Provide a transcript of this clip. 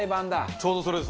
ちょうどそれです。